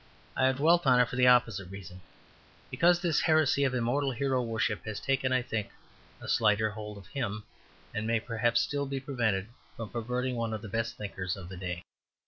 I have dwelt on it for the opposite reason; because this heresy of immoral hero worship has taken, I think, a slighter hold of him, and may perhaps still be prevented from perverting one of the best thinkers of the day.